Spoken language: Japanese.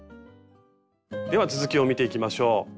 では続きを見ていきましょう。